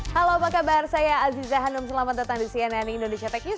halo apa kabar saya aziza hanum selamat datang di cnn indonesia tech news